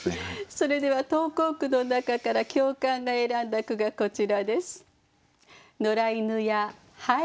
それでは投稿句の中から教官が選んだ句がこちらです。